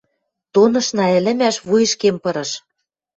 Тонышна ӹлӹмӓш вуйышкем пырыш.